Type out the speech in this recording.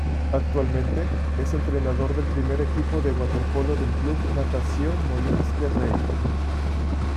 Actualmente, es entrenador del primer equipo de waterpolo del Club Natació Molins de Rei.